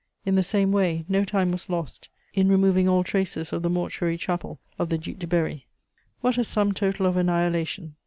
In the same way, no time was lost in removing all traces of the mortuary chapel of the Duc de Berry. What a sum total of annihilation!